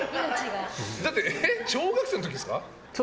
だって、小学生の時ですか？